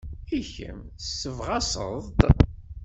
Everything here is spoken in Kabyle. I kemm, tessebɣaseḍ-t?